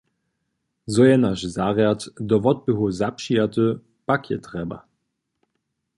Zo je naš zarjad do wotběhow zapřijaty, pak je trjeba.